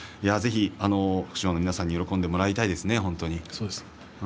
福島の皆さんにも喜んでもらいたいですね。